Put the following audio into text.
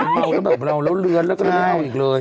เมาแล้วแบบเราเลื้อนแล้วก็ไม่เอาอีกเลย